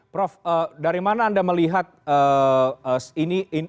prof dari mana anda melihat ini